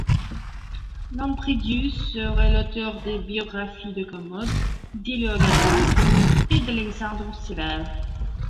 Lampridius serait l'auteur des biographies de Commode, d'Héliogabale et d'Alexandre Sévère.